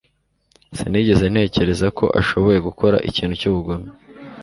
sinigeze ntekereza ko ashoboye gukora ikintu cyubugome